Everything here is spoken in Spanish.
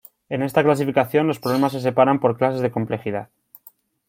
En esta clasificación los problemas se separan por clases de complejidad.